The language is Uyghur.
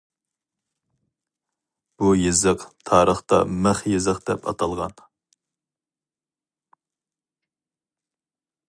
بۇ يېزىق تارىختا مىخ يېزىق دەپ ئاتالغان.